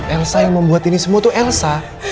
elsa yang membuat ini semua tuh elsa